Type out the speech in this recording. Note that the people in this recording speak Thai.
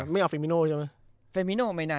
ไม่เอาเฟมิโนใช่มั้ย